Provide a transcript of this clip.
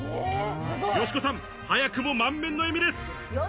よしこさん、早くも満面の笑みです！